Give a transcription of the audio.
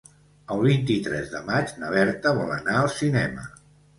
El vint-i-tres de maig na Berta vol anar al cinema.